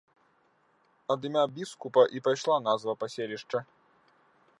Ад імя біскупа і пайшла назва паселішча.